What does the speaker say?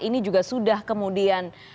ini juga sudah kemudian